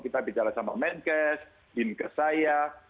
kita bicara sama menkes bimkesaya